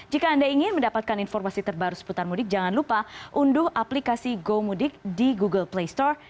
jika anda ingin mendapatkan informasi terbaru seputar mudik jangan lupa unduh aplikasi gomudik di google play store